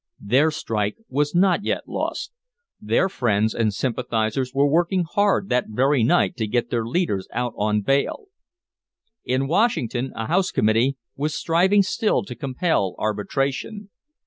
Their strike was not yet lost. Their friends and sympathizers were working hard that very night to get their leaders out on bail. In Washington a House committee was striving still to compel arbitration.